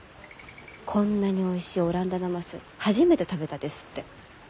「こんなにおいしい阿蘭陀なます初めて食べた」ですって。